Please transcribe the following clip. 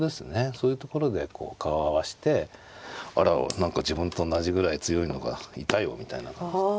そういうところで顔を合わしてあら何か自分と同じぐらい強いのがいたよみたいな感じで。